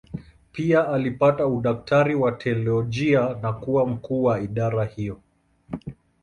Pia alipata udaktari wa teolojia na kuwa mkuu wa idara hiyo.